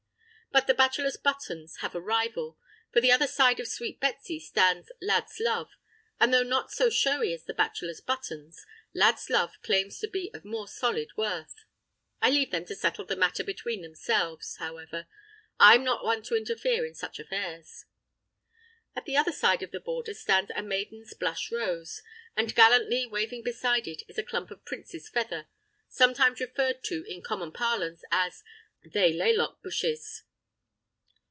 But the bachelor's buttons have a rival, for the other side of Sweet Betsy stands lad's love—and though not so showy as the bachelor's buttons, lad's love claims to be of more solid worth. I leave them to settle the matter between themselves, however; I'm not one to interfere in such affairs. At the other side of the border stands a maiden's blush rose, and gallantly waving beside it is a clump of Prince's Feather (sometimes referred to in common parlance as "they laylock bushes").